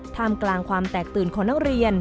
ท่ามกลางความแตกตื่นของนักเรียน